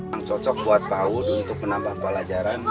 yang cocok buat paus untuk penambahan pelajaran